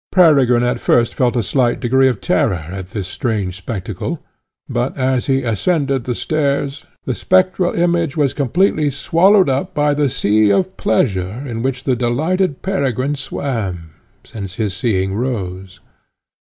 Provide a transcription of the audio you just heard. Peregrine at first felt a slight degree of terror at this strange spectacle, but, as he ascended the stairs, the spectral image was completely swallowed up by the sea of pleasure, in which the delighted Peregrine swam, since his seeing Rose.